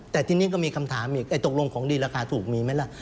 แต่ทีนี้ก็มีคำถามอีกตกลงของดีราคาถูกมีไหมล่ะ